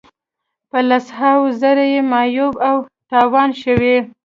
په لس هاوو زره یې معیوب او تاوان شوي.